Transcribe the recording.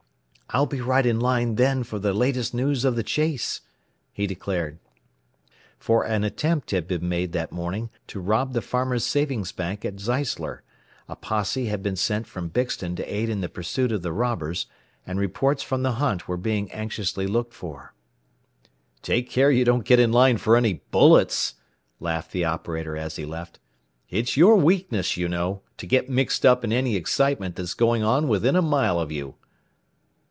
"I'll be right in line then for the latest news of the chase," he declared. For an attempt had been made that morning to rob the Farmers' Savings Bank at Zeisler, a posse had been sent from Bixton to aid in the pursuit of the robbers, and reports from the hunt were being anxiously looked for. "Take care you don't get in line for any bullets," laughed the operator as he left. "It's your weakness, you know, to get mixed up in any excitement that's going on within a mile of you."